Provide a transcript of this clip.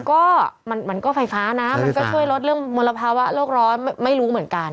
ก็มันก็ไฟฟ้านะมันก็ช่วยลดเรื่องมลภาวะโลกร้อนไม่รู้เหมือนกัน